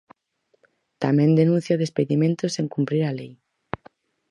Tamén denuncia despedimentos sen cumprir a lei.